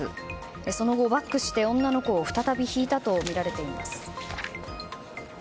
その後、バックして女の子を再びひいたとみられています。